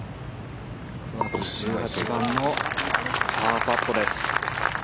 １８番のパーパットです。